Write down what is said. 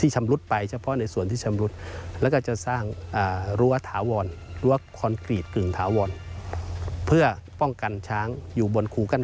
แต่ต่อไปแล้วมันจะให้คงเป็นที่เราอยากใช้